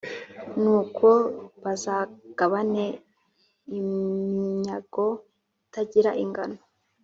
Nuko bazagabane iminyago itagira ingano,